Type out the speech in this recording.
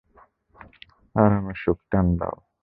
আরামে সুখটান দাও।